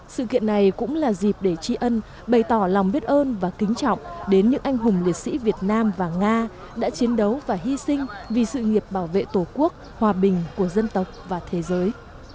sự kiện này cũng là dịp để tri ân bày tỏ lòng biết ơn và kính trọng đến những anh hùng liệt sĩ việt nam và nga đã chiến đấu và hy sinh vì sự nghiệp bảo vệ tổ quốc hòa bình của dân tộc và thế giới